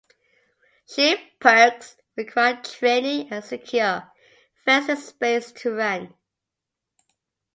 Schipperkes require training and a secure, fenced-in space to run.